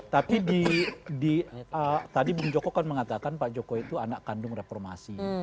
tapi di tadi bung joko kan mengatakan pak jokowi itu anak kandung reformasi